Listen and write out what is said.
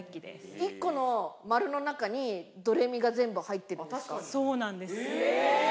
１個の丸の中に、ドレミが全そうなんです。